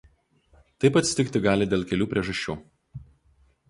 Taip atsitikti gali dėl kelių priežasčių.